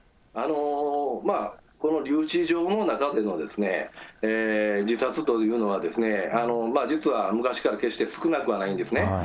この留置場の中での自殺というのは、実は昔から決して少なくはないんですね。